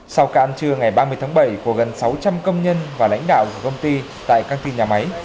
sau can trưa ngày ba mươi tháng bảy của gần sáu trăm linh công nhân và lãnh đạo của công ty tại căng tin nhà máy